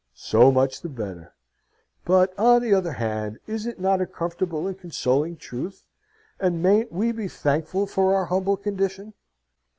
So much the better. But, on the other hand, is it not a comfortable and consoling truth? And mayn't we be thankful for our humble condition?